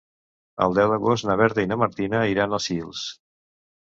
El deu d'agost na Berta i na Martina iran a Sils.